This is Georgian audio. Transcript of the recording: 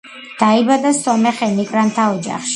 დაიბადა სომეხ ემიგრანტთა ოჯახში.